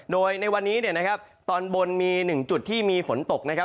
โดยในวันนี้ตอนบนมีหนึ่งจุดที่มีฝนตกนะครับ